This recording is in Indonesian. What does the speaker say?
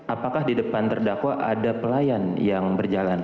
apakah di depan terdakwa ada pelayan yang berjalan